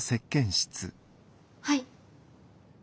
はい？